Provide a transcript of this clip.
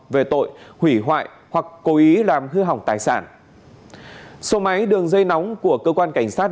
về tội hủy hoại hoặc cố ý làm hư hỏng tài sản số máy đường dây nóng của cơ quan cảnh sát